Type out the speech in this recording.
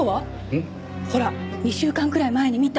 ほら２週間くらい前に見た。